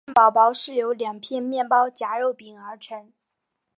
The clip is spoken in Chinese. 汉堡包是由两片面包夹肉饼而成。